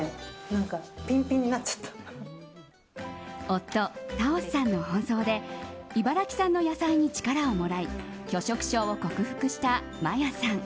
夫タオスさんの奔走で茨城産の野菜に力をもらい拒食症を克服したマヤさん。